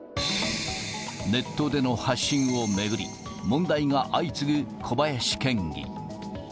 ネットでの発信を巡り、問題が相次ぐ小林県議。